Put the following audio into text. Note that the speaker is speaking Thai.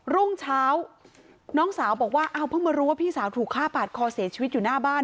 รุ่งเช้าน้องสาวบอกว่าอ้าวเพิ่งมารู้ว่าพี่สาวถูกฆ่าปาดคอเสียชีวิตอยู่หน้าบ้าน